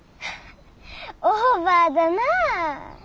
オーバーだなあ。